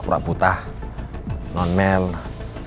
pura pura putah non male